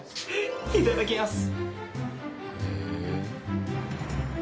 いただきます。